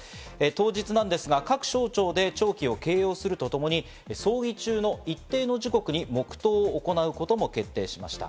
当日ですが、各省庁で弔旗を掲揚するとともに葬儀中の一定時刻に黙とうを行うことも決定しました。